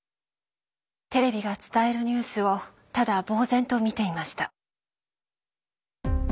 テレビが伝えるニュースをただぼう然と見ていました。